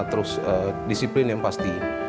terus disiplin yang pasti